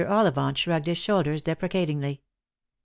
Ollivant shrugged his shoulders deprecatingly.